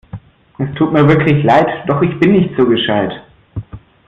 Es tut mir wirklich leid, doch ich bin nicht so gescheit!